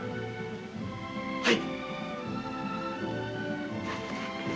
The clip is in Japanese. はい。